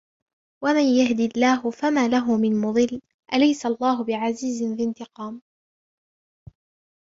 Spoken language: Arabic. وَمَنْ يَهْدِ اللَّهُ فَمَا لَهُ مِنْ مُضِلٍّ أَلَيْسَ اللَّهُ بِعَزِيزٍ ذِي انْتِقَامٍ